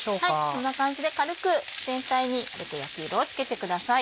こんな感じで軽く全体にちょっと焼き色をつけてください。